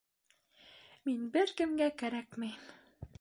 Мин бер кемгә кәрәкмәйем...